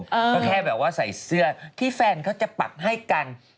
ก็แค่แบบว่าใส่เสื้อที่แฟนเขาจะปักให้กัน